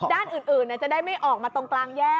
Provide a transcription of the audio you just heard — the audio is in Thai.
ด้านอื่นจะได้ไม่ออกมาตรงกลางแยก